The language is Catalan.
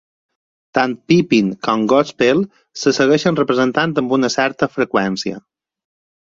Tant "Pippin" com "Godspell" se segueixen representant amb una certa freqüència.